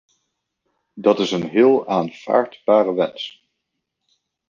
Dat is een heel aanvaardbare wens.